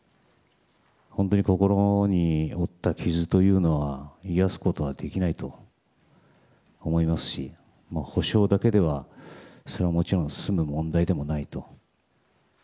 本当に心に負った傷というのは癒やすことはできないと思いますし補償だけでは、それはもちろん済む問題ではないと。